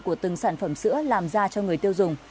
của từng sản phẩm sữa làm ra cho người tiêu dùng